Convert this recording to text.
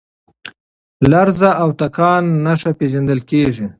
لرزه او تکان نښه پېژندل کېږي.